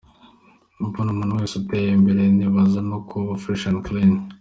Mbona umuntu wese uteye imbere nabihuza no kuba Fresh and Clean.